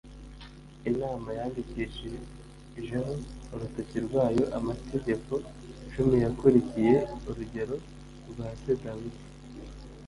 imana yandikishijeho urutoki rwayo amategeko cumi, yakurikiye urugero rwa se dawidi.